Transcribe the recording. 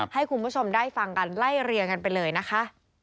ให้คุณผู้ชมได้ฟังกันไล่เรียงกันไปเลยนะคะ